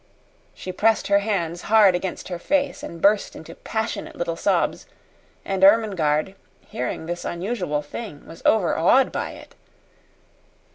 She pressed her hands hard against her face and burst into passionate little sobs, and Ermengarde, hearing this unusual thing, was overawed by it.